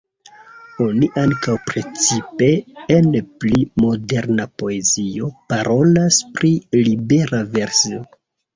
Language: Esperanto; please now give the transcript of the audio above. Oni ankaŭ, precipe en pli "moderna" poezio, parolas pri libera verso.